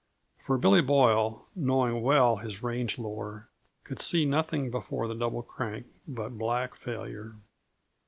For Billy Boyle, knowing well his range lore, could see nothing before the Double Crank but black failure.